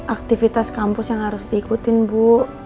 aktivitas kampus yang harus diikutin bu